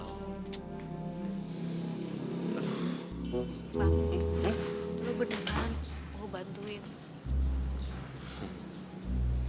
lo beneran mau bantuin